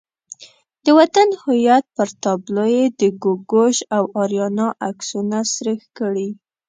د وطن هویت پر تابلو یې د ګوګوش او آریانا عکسونه سریښ کړي.